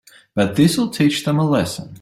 But this'll teach them a lesson.